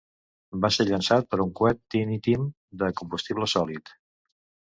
Va ser llançat per un coet Tiny Tim de combustible sòlid.